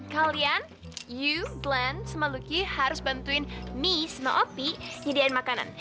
kalian you glance sama lucky harus bantuin me sama opi nyediain makanan